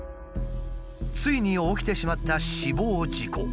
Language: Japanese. ついに起きてしまった死亡事故。